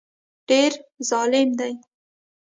ډېر ظالم دی